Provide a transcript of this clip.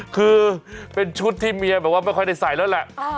คือเป็นชุดที่เมียแบบว่าไม่ค่อยได้ใส่แล้วแหละ